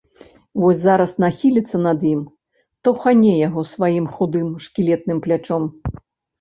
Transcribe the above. Вось зараз нахіліцца над ім, таўхане яго сваім худым шкілетным плячом.